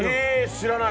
知らない。